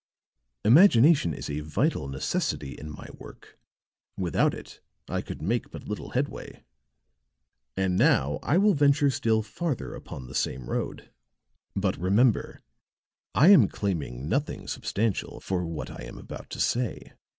"Imagination is a vital necessity in my work. Without it I could make but little headway. And now I will venture still farther upon the same road; but, remember, I am claiming nothing substantial for what I am about to say.